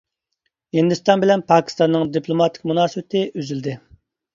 ھىندىستان بىلەن پاكىستاننىڭ دىپلوماتىك مۇناسىۋىتى ئۈزۈلدى.